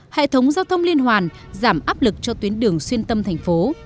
hệ thống giao thông liên hoàn giảm áp lực cho tuyến đường xuyên tâm thành phố